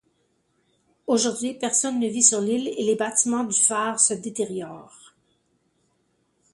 Aujourd'hui, personne ne vit sur l'île et les bâtiments du phare se détériorent.